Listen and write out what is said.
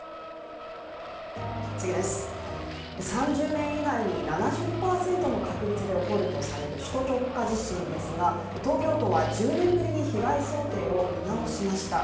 ３０年以内に７０％の確率で起こるとされる首都直下地震ですが東京都は１０年ぶりに被害想定を見直しました。